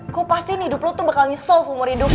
gue pastiin hidup lo tuh bakal nyesel seumur hidup